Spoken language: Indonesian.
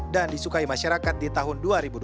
dan disukai masyarakat di tahun dua ribu dua puluh